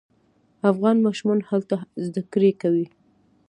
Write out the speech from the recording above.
افغان ماشومان هلته زده کړې کوي.